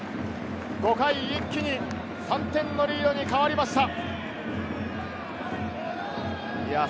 ５回、一気に３点のリードに変わりました。